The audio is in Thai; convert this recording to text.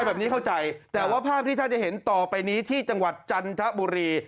แบบนี้เข้าใจแต่ว่าภาพที่ท่านจะเห็นต่อไปนี้ที่จังหวัดจันทบุรี